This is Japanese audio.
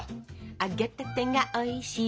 「揚げたてが美味しいよ」